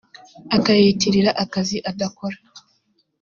akiyitirira akazi adakora